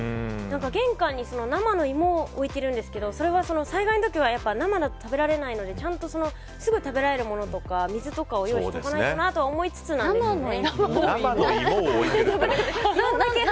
玄関に生の芋を置いてるんですけどそれは災害の時は生だと食べられないのですぐ食べられるものや水を用意しとかないとなとは生の芋を置いてるって。